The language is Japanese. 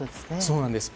そうなんです。